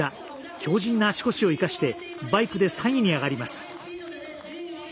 強じんな足腰を生かしてバイクで３位に上がります。